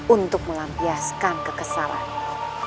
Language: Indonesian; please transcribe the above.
untuk melampiaskan kekesalannya